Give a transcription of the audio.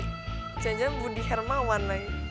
bukannya budi hermawan lagi